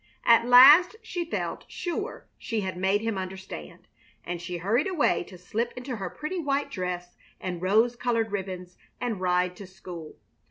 At last she felt sure she had made him understand, and she hurried away to slip into her pretty white dress and rose colored ribbons and ride to school.